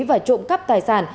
và trộm cắp tài sản